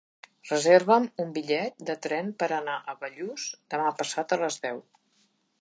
Reserva'm un bitllet de tren per anar a Bellús demà passat a les deu.